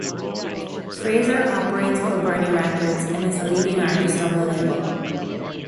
Fraser operates Culburnie Records, and is a leading artist on the label.